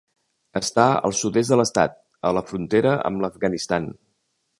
Està al sud-est de l'estat, a la frontera amb l'Afganistan.